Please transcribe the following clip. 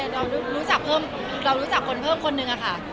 เรารู้จักเพิ่มเรารู้จักคนเพิ่มคนนึงอะค่ะ